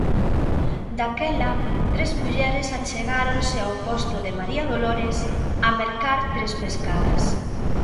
Daquela, tres mulleres achegáronse ao posto de María Dolores a mercar tres pescadas.